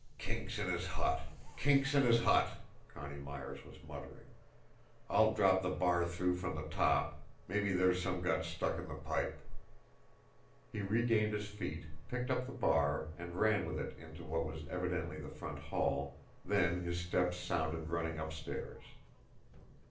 "Kinks in his nut, kinks in his nut!" Connie Myers was muttering. "I'll drop the bar through from the top, mabbe there's some got stuck in the pipe." He regained his feet, picked up the bar, and ran with it into what was evidently the front hall then his steps sounded running upstairs.